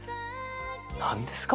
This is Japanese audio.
何ですか？